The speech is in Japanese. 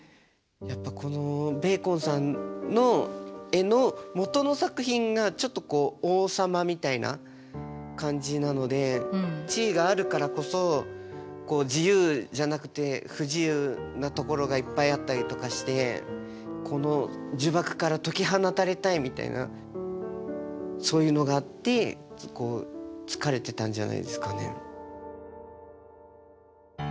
やっぱこのベーコンさんの絵の元の作品がちょっとこう王様みたいな感じなので地位があるからこそ自由じゃなくて不自由なところがいっぱいあったりとかしてこの呪縛から解き放たれたいみたいなそういうのがあって疲れてたんじゃないですかね。